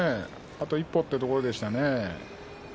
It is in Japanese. あと一歩というところでしたね。